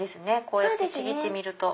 こうやってちぎってみると。